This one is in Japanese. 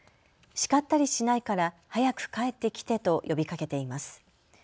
叱ったりしないから早く帰ってきてと呼びかけています。